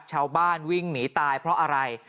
ชาวบ้านวิ่งหนีตายเพราะอะไร